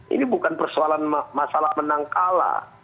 ini bukan persoalan masalah menang kalah